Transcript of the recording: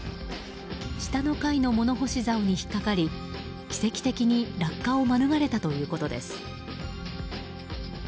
下の階の物干し竿に引っ掛かり奇跡的に落下を免れたということです。